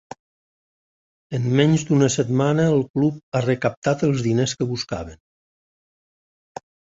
En menys d’una setmana el club ha recaptat els diners que buscaven.